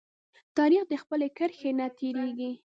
تاریخ د خپل کرښې نه تیریږي.